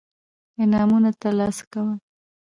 انعامونه ترلاسه کول.